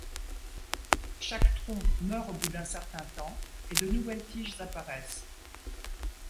Chaque tronc meurt au bout d'un certain temps et de nouvelles tiges apparaissent.